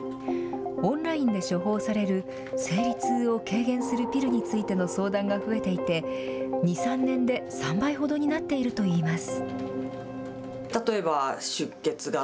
オンラインで処方される生理痛を軽減するピルについての相談が増えていて２、３年で３倍ほどになっていると言います。